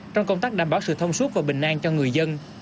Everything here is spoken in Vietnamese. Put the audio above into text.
trong công tác đảm bảo sự thông suốt và bình an cho người dân